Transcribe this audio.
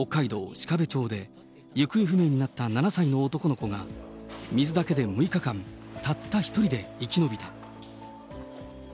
鹿部町で、行方不明になった７歳の男の子が水だけで６日間、たった一人で生き延びた。